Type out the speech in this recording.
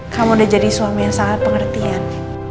kamu udah jadi suami yang sangat pengertian